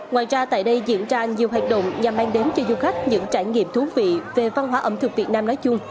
ngoài ra tại đây diễn ra nhiều hoạt động nhằm mang đến cho du khách những trải nghiệm thú vị về văn hóa ẩm thực việt nam nói chung